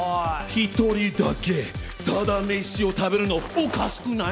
ひとりだけタダ飯を食べるのおかしくない？